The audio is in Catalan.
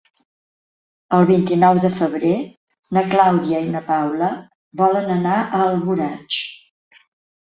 El vint-i-nou de febrer na Clàudia i na Paula volen anar a Alboraig.